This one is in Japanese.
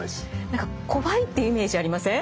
何か怖いっていうイメージありません？